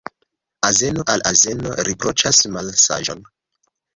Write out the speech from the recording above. Azeno al azeno riproĉas malsaĝon.